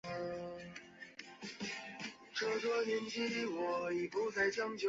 奥达斯泰韦尔。